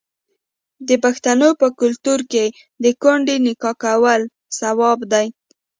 د پښتنو په کلتور کې د کونډې نکاح کول ثواب دی.